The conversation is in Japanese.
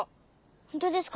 本当ですか？